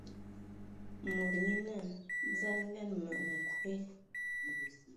Mod nyé naa: "Dzalǝga ma nkwe !".